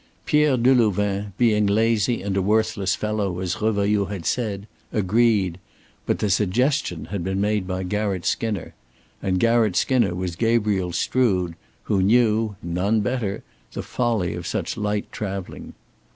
Pierre Delouvain, being lazy and a worthless fellow, as Revailloud had said, agreed. But the suggestion had been made by Garratt Skinner. And Garratt Skinner was Gabriel Strood, who knew none better the folly of such light traveling.